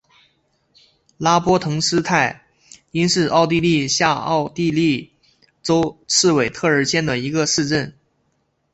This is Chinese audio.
拉波滕施泰因是奥地利下奥地利州茨韦特尔县的一个市镇。